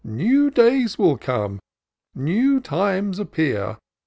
New days will come — ^new times appear.